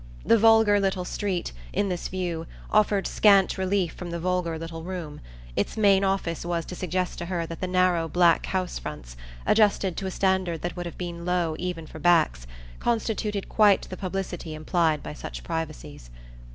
The vulgar little street, in this view, offered scant relief from the vulgar little room; its main office was to suggest to her that the narrow black house fronts, adjusted to a standard that would have been low even for backs, constituted quite the publicity implied by such privacies.